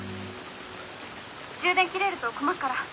充電切れると困っから切るね。